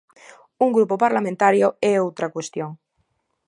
Un grupo parlamentario é outra cuestión.